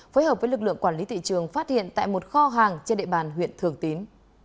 phối hợp với lực lượng quản lý thị trường phát hiện tại một kho hàng trên địa bàn huyện thường tín